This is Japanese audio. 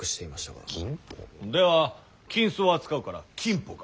銀舗？では金子を扱うから「金舗」か。